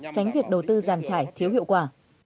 tránh việc đầu tư giàn trải thiếu hiệu quả